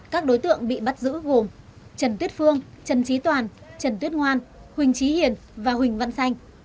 các đối tượng bị bắt giữ gồm trần tuyết phương trần trí toàn trần tuyết ngoan huỳnh trí hiền và huỳnh văn xanh